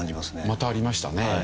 またありましたね。